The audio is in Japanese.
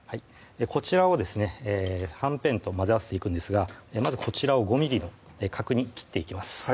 こちらをですねはんぺんと混ぜ合わせていくんですがまずこちらを５ｍｍの角に切っていきます